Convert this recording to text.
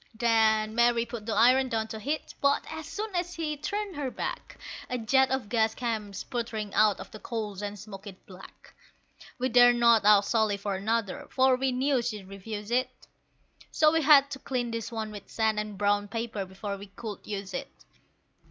Then Mary put the iron down to heat, but as soon as she'd turned her back, A jet of gas came sputtering out of the coals and smoked it black. We dared not ask Sally for another, for we knew she'd refuse it, So we had to clean this one with sand and brown paper before we could use it.